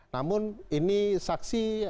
namun ini saksi